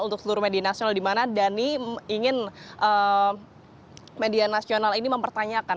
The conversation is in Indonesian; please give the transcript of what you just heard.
untuk seluruh media nasional di mana dhani ingin media nasional ini mempertanyakan